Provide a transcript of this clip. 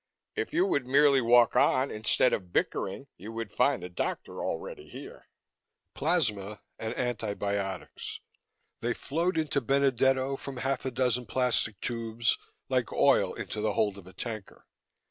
If you would merely walk on instead of bickering, you would find the doctor already here." Plasma and antibiotics: They flowed into Benedetto from half a dozen plastic tubes like oil into the hold of a tanker.